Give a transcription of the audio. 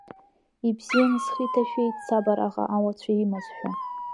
Ибзианы схы иҭашәеит саб араҟа ауацәа имазшәа.